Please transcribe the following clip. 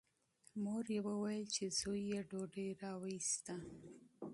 مور یې وویل چې زوی یې ډوډۍ راوایسته.